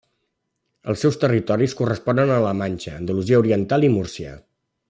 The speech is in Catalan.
Els seus territoris corresponen a la Manxa, Andalusia oriental i Múrcia.